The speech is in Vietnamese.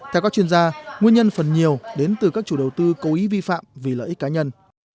theo các chuyên gia nguyên nhân phần nhiều đến từ các chủ đầu tư cố ý vi phạm vì lợi ích cá nhân